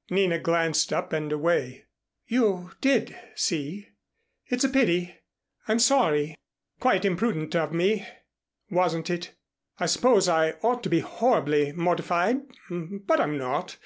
'" Nina glanced up and away. "You did see? It's a pity. I'm sorry. Quite imprudent of me, wasn't it? I suppose I ought to be horribly mortified, but I'm not.